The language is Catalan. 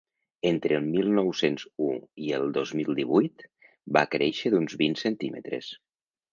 Entre el mil nou-cents u i el dos mil divuit, va créixer d’uns vint centímetres.